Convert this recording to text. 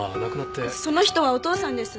その人はお父さんです。